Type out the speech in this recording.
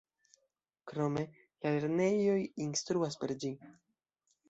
Krome, la lernejoj instruas per ĝi.